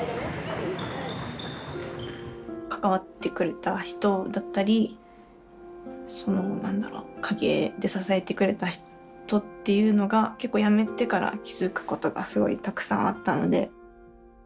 関わってくれた人だったりその何だろう陰で支えてくれた人っていうのが結構辞めてから気付くことがすごいたくさんあったので。